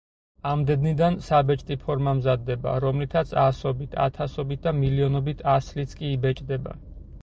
ამ დედნიდან საბეჭდი ფორმა მზადდება, რომლითაც ასობით, ათასობით და მილიონობით ასლიც კი იბეჭდება.